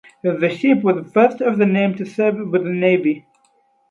The ship was the first of the name to serve with the navy.